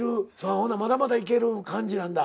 ほなまだまだいける感じなんだ？